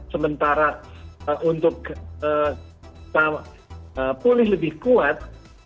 sementara untuk kita pulih lebih kuat